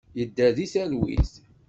Yedder deg talwit.